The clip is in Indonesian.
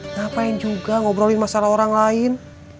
ngapain juga ngobrolin masalah orang lain